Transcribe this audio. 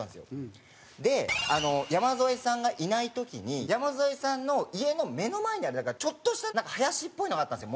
で山添さんがいない時に山添さんの家の目の前にあるちょっとした林っぽいのがあったんですよ